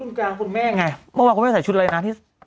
รุ่งกลางคนแม่ไงปะพ่อเขาไม่ใส่ชุดอะไรนะ